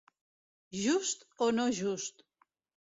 Just o no just.